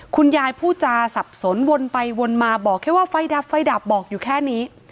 คุณยายผู้จาสับสนวนไปวนมาบอกแค่ว่าไฟดับไฟดับบอกอยู่แค่นี้